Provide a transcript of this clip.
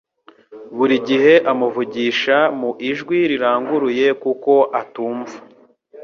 Buri gihe amuvugisha mu ijwi riranguruye kuko atumva